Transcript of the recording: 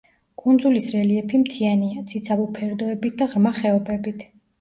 კუნძულის რელიეფი მთიანია, ციცაბო ფერდოებით და ღრმა ხეობებით.